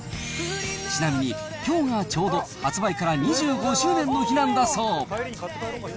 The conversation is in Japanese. ちなみにきょうがちょうど発売から２５周年の日なんだそう。